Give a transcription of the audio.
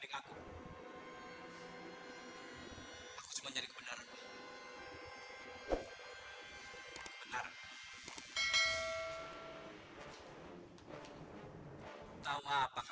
kamu berhubungan dengan anak itu deh wak